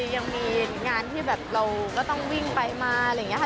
ยังมีงานที่แบบเราก็ต้องวิ่งไปมาอะไรอย่างนี้ค่ะ